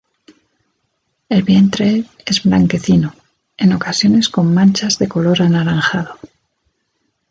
El vientre es blanquecino, en ocasiones con manchas de color anaranjado.